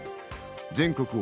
全国